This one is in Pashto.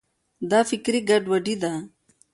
دا فکري ګډوډي ده.